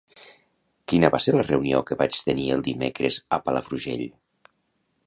Quina va ser la reunió que vaig tenir el dimecres a Palafrugell?